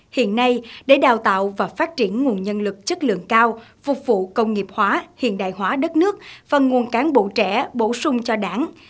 hiện nay để đào tạo và phát triển nguồn nhân lực chất lượng cao phục vụ công nghiệp hóa hiện đại hóa đất nước và nguồn cán bộ trẻ bổ sung cho đảng